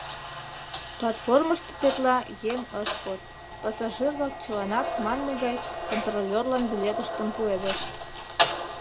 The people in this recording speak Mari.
Платформышто тетла еҥ ыш код; пассажир-влак чыланат манме гай контролёрлан билетыштым пуэдышт.